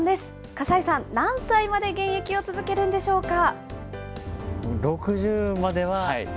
葛西さん、何歳まで現役を続けるんでしょうか。